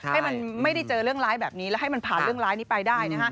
ให้มันไม่ได้เจอเรื่องร้ายแบบนี้แล้วให้มันผ่านเรื่องร้ายนี้ไปได้